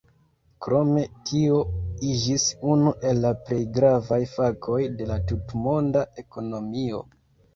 Krome tio iĝis unu el la plej gravaj fakoj de la tutmonda ekonomio.